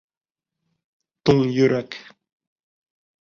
Туң йөрәк.